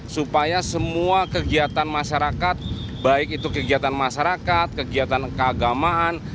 supaya semua kegiatan masyarakat baik itu kegiatan masyarakat kegiatan keagamaan